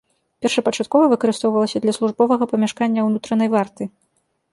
Першапачаткова выкарыстоўвалася для службовага памяшкання ўнутранай варты.